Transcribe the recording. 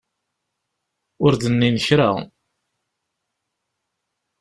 Ur d-nnin kra.